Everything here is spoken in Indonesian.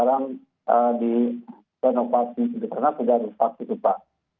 terima kasih kepada bapak ruhli kepala jenderal kabupaten cianjur yang telah menyampaikan untuk pembangunan jembatan dan sekolah